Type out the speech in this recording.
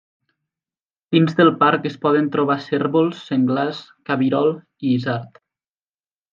Dins del parc es poden trobar cérvols, senglars, cabirol i isard.